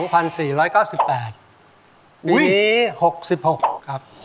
ปีนี้๖๖ครับ